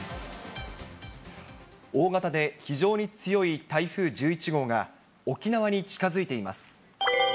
大型で非常に強い台風１１号が、沖縄に近づいています。